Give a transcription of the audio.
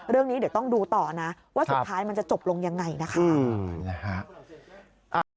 เรื่องนี้เดี๋ยวต้องดูต่อนะว่าสุดท้ายมันจะจบลงยังไงนะคะ